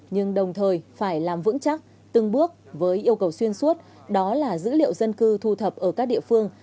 nhưng đồng thời phải làm vững chắc từng bước với yêu cầu xuyên suốt đó là dữ liệu dân cư thu thập ở các địa phương